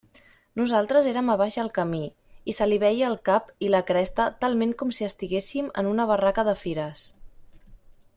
Nosaltres érem a baix al camí, i se li veia el cap i la cresta talment com si estiguéssim en una barraca de fires.